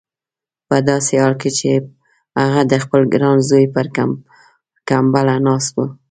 په داسې حال کې چې هغه د خپل ګران زوی پر کمبله ناست و.